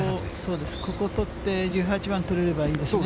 そうです、ここ取って、１８番取れればいいですね。